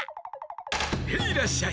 ヘイらっしゃい！